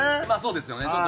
まあそうですよね。